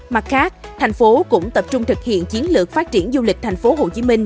mặt khác thành phố cũng tập trung thực hiện chiến lược phát triển du lịch thành phố hồ chí minh